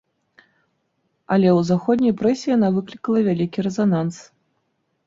Але ў заходняй прэсе яна выклікала вялікі рэзананс.